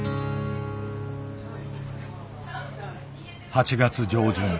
８月上旬。